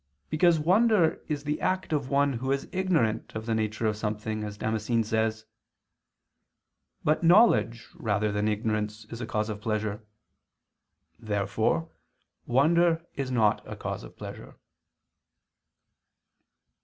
Because wonder is the act of one who is ignorant of the nature of something, as Damascene says. But knowledge, rather than ignorance, is a cause of pleasure. Therefore wonder is not a cause of pleasure.